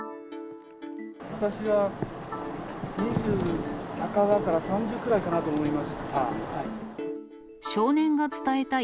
私は、２０半ばから３０くらいかなと思いました。